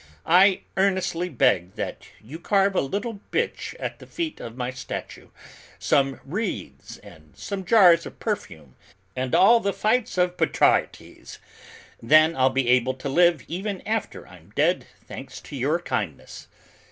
I earnestly beg that you carve a little bitch at the feet of my statue, some wreaths and some jars of perfume, and all of the fights of Petraites. Then I'll be able to live even after I'm dead, thanks to your kindness.